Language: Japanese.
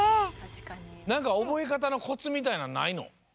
なんか覚え方のコツみたいなんないの？